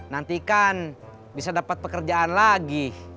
nantikan bisa dapat pekerjaan lagi